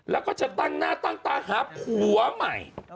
แล้วก็จะตั้งหน้าตั้งตาหาผัวใหม่